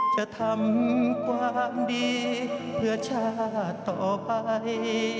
จะทำความดีเพื่อชาติต่อไป